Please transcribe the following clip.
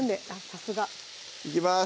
さすがいきます